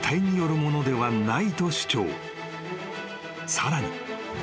［さらに］